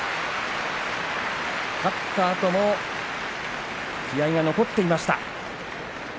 勝ったあとも気合いが残っていました。